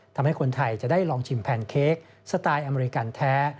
ทำให้คนไทยจะได้ลองชิมแพนเค้กสไตล์อเมริกันแท้